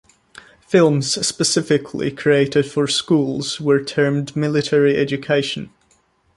Films specifically created for schools were termed military education.